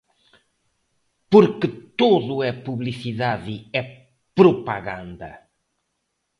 Porque todo é publicidade e propaganda.